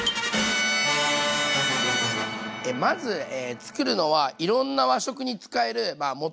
まず作るのはいろんな和食に使えるもと。